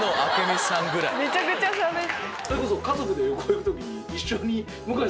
めっちゃくちゃしゃべる！